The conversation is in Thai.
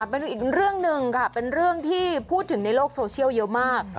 ไปดูอีกเรื่องหนึ่งค่ะเป็นเรื่องที่พูดถึงในโลกโซเชียลเยอะมาก